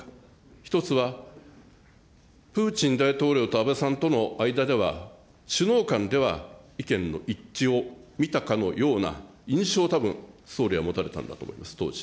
１つは、プーチン大統領と安倍さんとの間では、首脳間では意見の一致を見たかのような印象をたぶん、総理は持たれたんだと思います、当時。